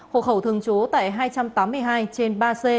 hộ khẩu thường trú tại hai trăm tám mươi hai trên ba c